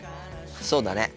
そうだね。